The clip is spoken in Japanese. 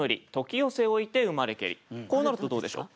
こうなるとどうでしょう。